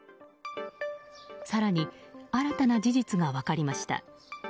更に、新たな事実が分かりました。